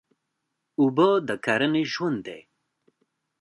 اوبه د کرنې ژوند دی.